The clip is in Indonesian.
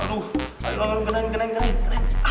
aduh ayo kenain kenain kenain